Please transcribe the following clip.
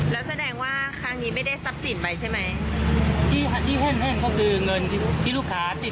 ด่าว้าแต่ละอ๋อมีมีสองคนนะครับผู้หญิงอยู่ด้านใน